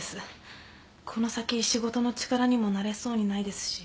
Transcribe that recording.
この先仕事の力にもなれそうにないですし。